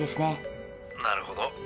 なるほど。